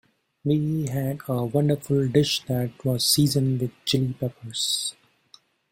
We had a wonderful dish that was seasoned with Chili Peppers.